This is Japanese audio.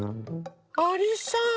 ありさん。